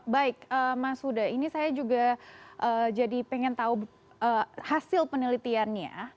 baik mas huda ini saya juga jadi pengen tahu hasil penelitiannya